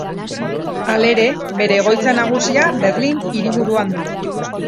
Halere bere egoitza nagusia Berlin hiriburuan du.